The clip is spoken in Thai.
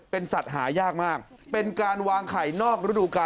เป็นสัตว์หายากมากเป็นการวางไข่นอกฤดูกาล